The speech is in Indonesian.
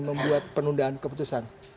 membuat penundaan keputusan